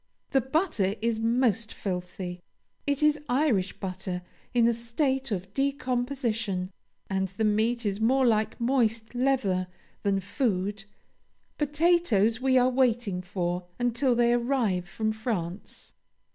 The butter is most filthy it is Irish butter in a state of decomposition; and the meat is more like moist leather than food. Potatoes we are waiting for until they arrive from France."